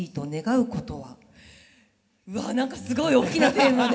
うわ何かすごい大きなテーマで。